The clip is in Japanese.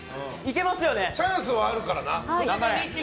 チャンスはあるからな。